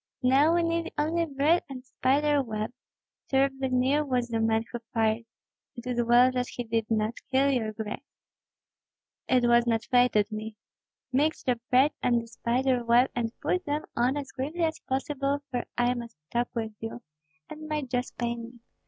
Now we need only bread and spider web. Terribly near was the man who fired. It is well that he did not kill your grace." "It was not fated me. Mix the bread and the spider web and put them on as quickly as possible, for I must talk with you, and my jaws pain me."